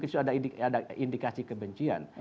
itu juga mungkin ada indikasi kebencian